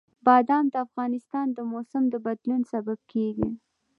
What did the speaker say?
بادام د افغانستان د موسم د بدلون سبب کېږي.